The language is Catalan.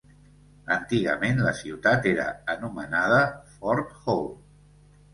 Antigament la ciutat era anomenada Fort Hall.